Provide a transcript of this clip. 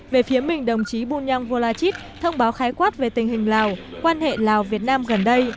về phía mình đồng chí bunyang volachit thông báo khái quát về tình hình lào quan hệ lào việt nam gần đây